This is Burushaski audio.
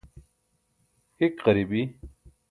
hik ġari bi